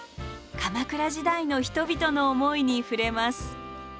鎌倉時代の人々の思いに触れます。